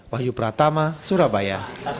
wahyu pratama surabaya